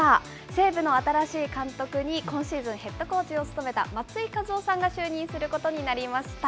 西武の新しい監督に、今シーズン、ヘッドコーチを務めた松井稼頭央さんが就任することになりました。